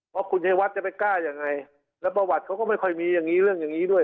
เพราะคุณชัยวัดจะไปกล้ายังไงแล้วประวัติเขาก็ไม่ค่อยมีอย่างนี้เรื่องอย่างนี้ด้วย